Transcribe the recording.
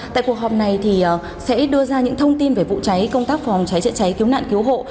tại cuộc họp này sẽ đưa ra những thông tin về vụ cháy công tác phòng cháy chữa cháy cứu nạn cứu hộ